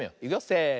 せの。